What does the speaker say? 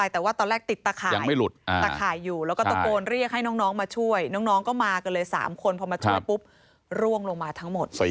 แต่ว่าตอนแรกติดตะข่ายยังไม่หลุดตะข่ายอยู่แล้วก็ตะโกนเรียกให้น้องมาช่วยน้องก็มากันเลย๓คนพอมาช่วยปุ๊บร่วงลงมาทั้งหมด